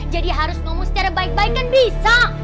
jadi harus ngomong secara baik baik kan bisa